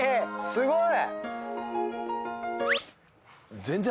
すごい